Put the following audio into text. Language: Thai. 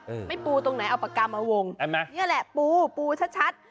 อืมไม่ปูตรงไหนเอาปากกามาวงเห็นไหมนี่แหละปูปูชัดชัด